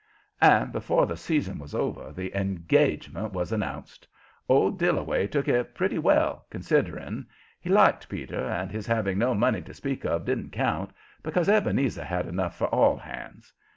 And before the season was over the engagement was announced. Old Dillaway took it pretty well, considering. He liked Peter, and his having no money to speak of didn't count, because Ebenezer had enough for all hands.